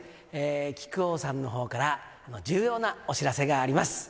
木久扇さんのほうから、重要なお知らせがあります。